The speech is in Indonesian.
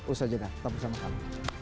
usaha jeda tetap bersama kami